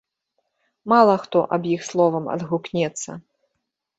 Мала хто аб іх словам адгукнецца.